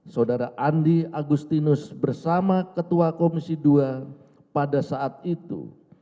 saudara andi agustinus bersama ketua komisi dua pada saat itu